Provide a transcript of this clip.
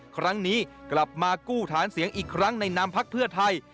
ครั้งนี้กลับมากู้ฐานเสียงอีกครั้งในนามพักเพื่อไทย